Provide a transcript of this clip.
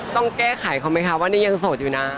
ต้องแก้ไขเขาไหมคะว่านี่ยังโสดอยู่นะ